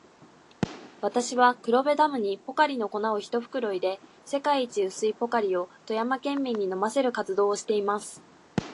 私は、黒部ダムにポカリの粉を一袋入れ、世界一薄いポカリを富山県民に飲ませる活動をしています。